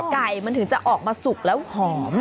ไก่มันถึงจะออกมาสุกแล้วหอม